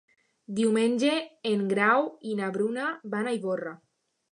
Diumenge en Grau i na Bruna van a Ivorra.